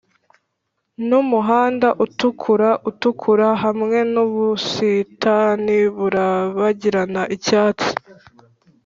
numuhanda utukura utukura hamwe nubusitani burabagirana icyatsi